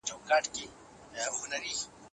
ایا سړی به د خپل ماشوم لپاره شیرني واخلي؟